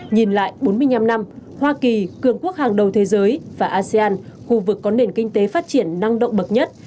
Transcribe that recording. nhìn lại bốn mươi năm năm hoa kỳ cường quốc hàng đầu thế giới và asean khu vực có nền kinh tế phát triển năng động bậc nhất